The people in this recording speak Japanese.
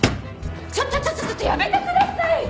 ちょちょちょっとやめてください！